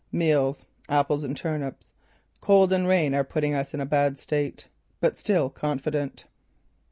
Meals: apples and turnips. Cold and rain are putting us in bad state. But still confident."